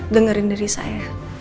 dengerin dari saya